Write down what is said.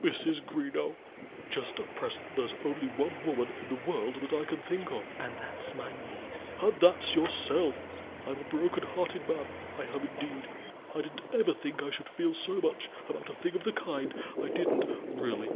"Mrs. Greenow, just at present there's only one woman in the world that I can think of." "And that's my niece." "And that's yourself. I'm a broken hearted man, I am, indeed. I didn't ever think I should feel so much about a thing of the kind I didn't, really.